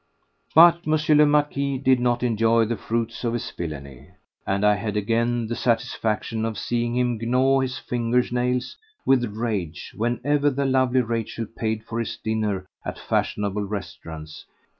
But M. le Marquis did not enjoy the fruits of his villainy, and I had again the satisfaction of seeing him gnaw his finger nails with rage whenever the lovely Rachel paid for his dinner at fashionable restaurants.